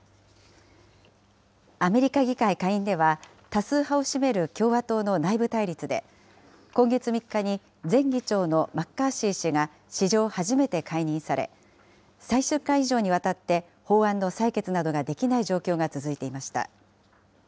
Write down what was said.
アメリカ議会下院では、多数派を占める共和党の内部対立で、今月３日に前議長のマッカーシー氏が史上初めて解任され、３週間以上にわたって法案の採決などができない状況が続いていました。